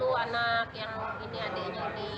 ibu anak yang ini adiknya ini